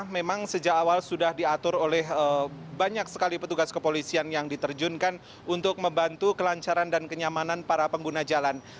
memang sejak awal sudah diatur oleh banyak sekali petugas kepolisian yang diterjunkan untuk membantu kelancaran dan kenyamanan para pengguna jalan